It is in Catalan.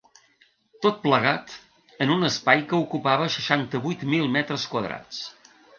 Tot plegat, en un espai que ocupava seixanta-vuit mil metres quadrats.